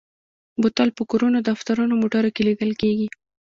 بوتل په کورونو، دفترونو او موټرو کې لیدل کېږي.